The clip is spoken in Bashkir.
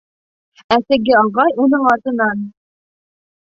Ә теге ағай уның артынан: